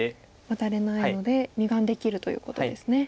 ワタれないので２眼できるということですね。